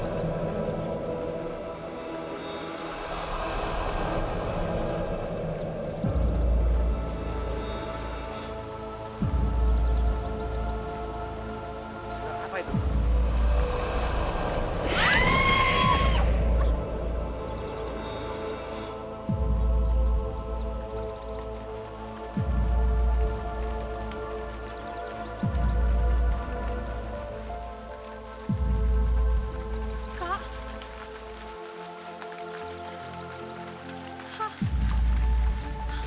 terima kasih kakak